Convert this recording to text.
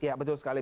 ya betul sekali